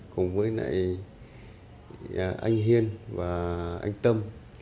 cùng với lại anh hiên và anh tâm